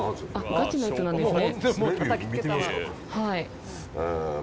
ガチのやつなんですね。